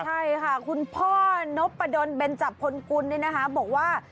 ใช่ค่ะคุณพ่อนพประดนเบนจับพลกุลบอกว่า